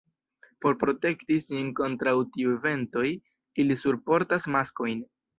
Por protekti sin kontraŭ tiuj ventoj, ili surportas maskojn.